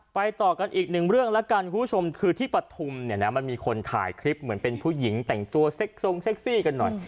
ต่อกันอีกหนึ่งเรื่องแล้วกันคุณผู้ชมคือที่ปฐุมเนี่ยนะมันมีคนถ่ายคลิปเหมือนเป็นผู้หญิงแต่งตัวเซ็กทรงเซ็กซี่กันหน่อย